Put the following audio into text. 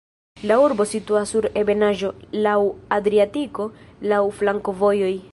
La urbo situas sur ebenaĵo, laŭ Adriatiko, laŭ flankovojoj.